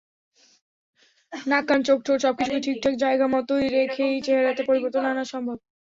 নাক, কান, চোখ, ঠোঁট—সবকিছুকে ঠিকঠাক জায়গামতো রেখেই চেহারাতে পরিবর্তন আনা সম্ভব।